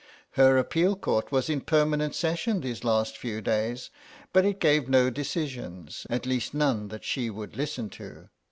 Her appeal court was in permanent session these last few days, but it gave no decisions, at least none that she would listen to.